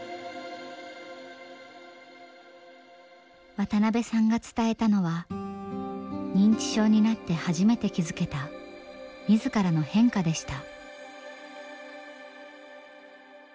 渡邊さんが伝えたのは認知症になって初めて気付けた自らの変化でした。